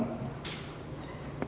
dan dia mau kita janjikan